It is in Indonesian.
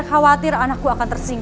ada lagi konten